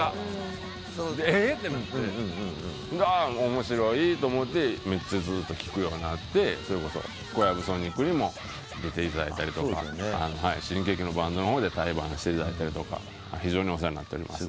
面白いと思ってめっちゃずっと聴くようになってそれこそＫＯＹＡＢＵＳＯＮＩＣにも出ていただいたりとか新喜劇のバンドの方で対バンしていただいたりとか非常にお世話になっております。